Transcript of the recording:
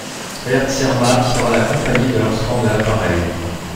Air Zermatt sera la compagnie de lancement de l'appareil.